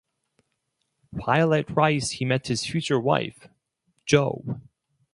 While at Rice he met his future wife Jo.